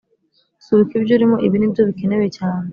Subika ibyo urimo ibi nibyo bikenewe cyane